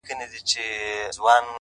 يوازيتوب زه! او ډېوه مړه انتظار!